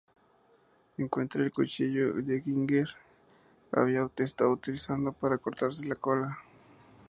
Encuentra el cuchillo que Ginger había estado utilizando para cortarse la cola.